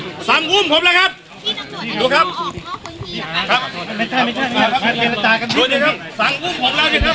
ดูครับครับไม่ใช่ไม่ใช่ครับสั่งอุ้มผมแล้วดิครับ